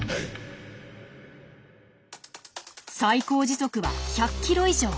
最高時速は１００ｋｍ以上。